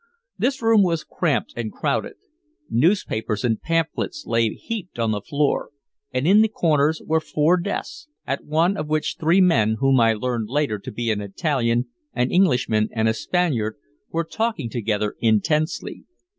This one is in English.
This room was cramped and crowded. Newspapers and pamphlets lay heaped on the floor, and in the corners were four desks, at one of which three men, whom I learned later to be an Italian, an Englishman and a Spaniard, were talking together intensely.